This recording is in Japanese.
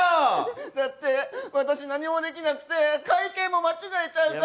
だって、私、何もできなくて会計も間違えちゃうから。